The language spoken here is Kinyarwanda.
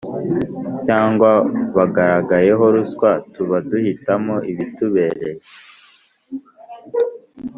Cyangwa bagaragayeho ruswa tuba duhitamo ibitubereye